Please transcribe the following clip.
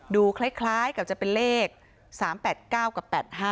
คล้ายกับจะเป็นเลข๓๘๙กับ๘๕